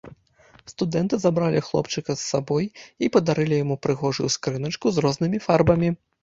Студэнты забралі хлопчыка з сабой і падарылі яму прыгожую скрыначку з рознымі фарбамі.